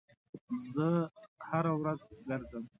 زه هر ورځ ګرځم